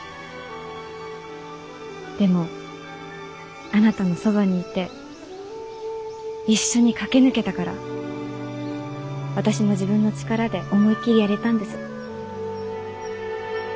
でもあなたのそばにいて一緒に駆け抜けたから私も自分の力で思いっきりやれたんです。